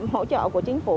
hỗ trợ của chính phủ